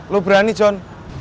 lo berani john